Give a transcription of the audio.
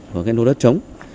của cái đô đất trống